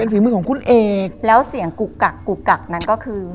ฝีมือของคุณเอกแล้วเสียงกุกกักกุกกักนั้นก็คือ